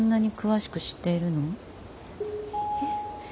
えっ。